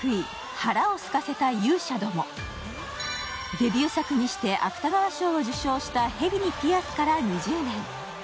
デビュー作にして芥川賞を受賞した「蛇にピアス」から２０年。